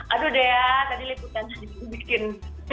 aduh dea tadi liputan tadi dibikin